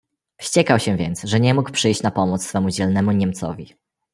"Wściekał się więc, że nie mógł przyjść na pomoc swemu dzielnemu niemcowi."